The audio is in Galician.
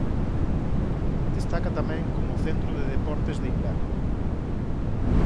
Destaca tamén como centro de deportes de inverno.